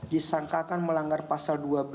disangkakan melanggar pasal dua belas